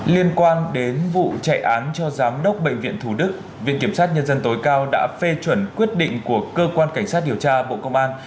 liên quan đến vụ chạy án cho giám đốc bệnh viện thủ đức viện kiểm sát nhân dân tối cao đã phê chuẩn quyết định của cơ quan cảnh sát điều tra bộ công an